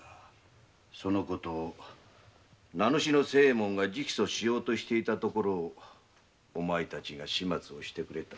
そのことを名主の清右衛門が直訴しようとしていたところをお前たちが始末をしてくれた。